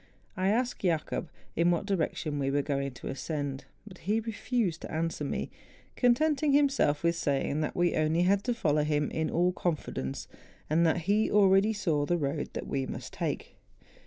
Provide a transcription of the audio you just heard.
I asked Jacob in what direction we were going to ascend, but he refused to answer me, con¬ tenting himself with saying that we had only to follow him in all confidence, and that he already saw the road which we must take.